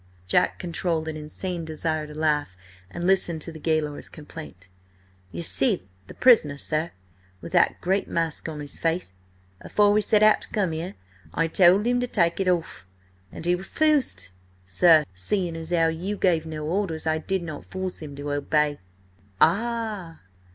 Jack controlled an insane desire to laugh, and listened to the gaoler's complaint. "You see the pris'ner, sir, with that great mask on 'is face? Afore we set out to come 'ere, I told 'im to take it hoff. And 'e refoosed, sir. Seeing as 'ow you gave no horders, I did not force 'im to hobey." "Ah!